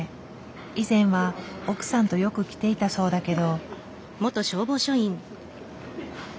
以前は奥さんとよく来ていたそうだけど。